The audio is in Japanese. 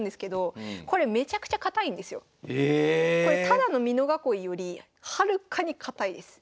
ただの美濃囲いよりはるかに堅いです。